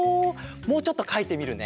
もうちょっとかいてみるね。